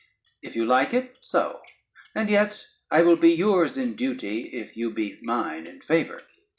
If you like it, so; and yet I will be yours in duty, if you be mine in favor.